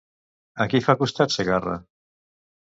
A qui fa costat Segarra?